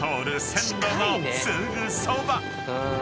線路のすぐそば］